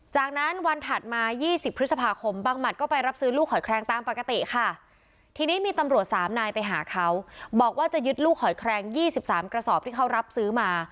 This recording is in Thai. จากนั้นวันถัดมา๒๐พฤษภาคมบังหมัดก็ไปรับซื้อลูกหอยแครงตามปกติค่ะทีนี้มีตำรวจสามนายไปหาเขาบอกว่าจะยึดลูกหอยแครง๒๓กระสอบที่เขารับซื้อมา